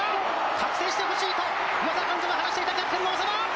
「覚醒してほしい」と監督が話していたキャプテンの長田！